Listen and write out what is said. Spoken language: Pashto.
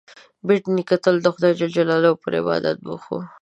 بېټ نیکه تل د خدای جل جلاله پر عبادت بوخت و.